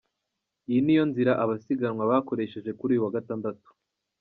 Iyi ni yo nzira abasiganwa bakoresheje kuri uyu wa gatandatu